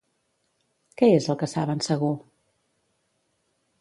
Què és el que saben segur?